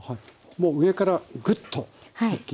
もう上からグッと一気に。